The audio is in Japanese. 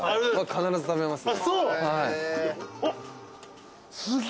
必ず食べます。